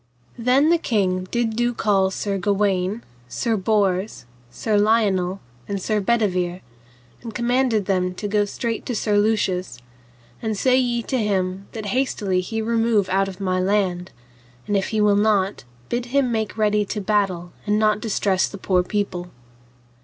Then the king did do call Sir Gawaine, Sir Bors, Sir Lionel, and Sir Bedivere, and commanded them to go straight to Sir Lucius, and say ye to him that hastily he remove out of my land; and if he will not, bid him make him ready to battle and not distress the poor people.